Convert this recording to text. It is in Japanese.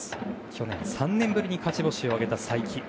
去年３年ぶりに勝ち星を挙げた才木。